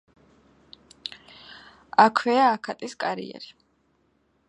აქვეა აქატის კარიერი.